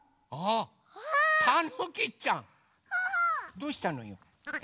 どうしたのよ？え？